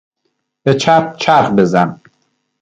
به چپ چرخ بزن.